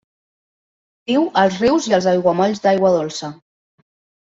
Viu als rius i als aiguamolls d'aigua dolça.